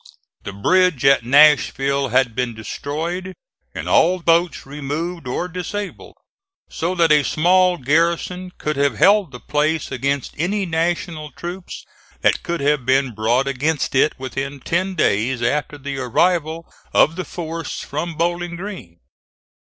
The bridge at Nashville had been destroyed and all boats removed or disabled, so that a small garrison could have held the place against any National troops that could have been brought against it within ten days after the arrival of the force from Bowling Green.